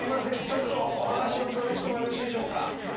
ちょっとお話をお伺いしてもよろしいでしょうか？